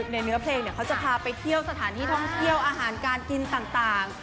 ในเนื้อเพลงเขาจะพาไปเที่ยวสถานที่ท่องเที่ยวอาหารการกินต่าง